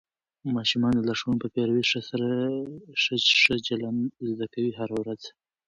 ماشومان د لارښوونو په پیروي سره ښه چلند زده کوي هره ورځ.